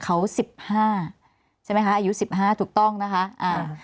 เขา๑๕ใช่ไหมคะอายุ๑๕ถูกต้องนะคะ